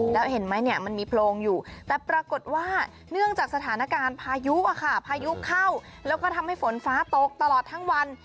แล้วเห็นไหมเนี่ยมันมีโพรงอยู่แต่ปรากฏว่าเนื่องจากสถานการณ์พายุพายุเข้าแล้วก็ทำให้ฝนฟ้าตกตลอดทั้งวัน